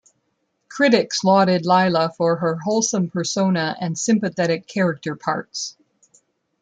Critics lauded Lila for her wholesome persona and sympathetic character parts.